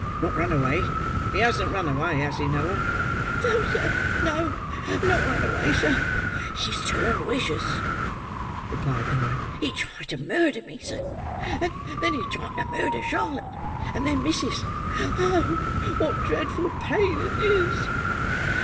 "Not run away; he hasn't run away, has he, Noah?" "No, sir, no. Not run away, sir, but he's turned wicious," replied Noah. "He tried to murder me, sir; and then he tried to murder Charlotte; and then missis. Oh! what dreadful pain it is!